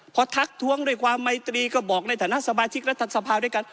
พอทักท้วงด้วยความไมตรีก็บอกในฐานะสมาชิกรัฐสภาด้วยกัน